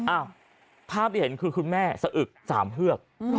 ภาพที่เห็นคือคุณแม่สะอึกสามเฮือก